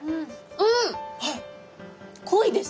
うん！